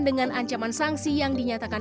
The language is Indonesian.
dengan ancaman sanksi yang dinyatakan